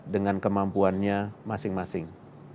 dengan kemampuannya masing masing